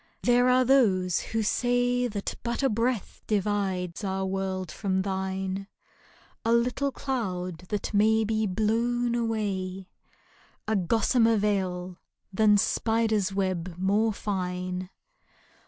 There are those who say That but a breath divides our world from thine ; A little cloud that may be blown away — A gossamer veil than spider's web more fine.